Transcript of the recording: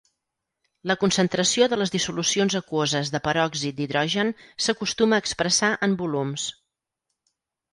La concentració de les dissolucions aquoses de peròxid d'hidrogen s'acostuma a expressar en volums.